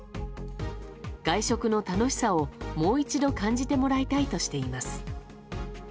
外食の楽しさをもう一度感じてもらいたいとしています。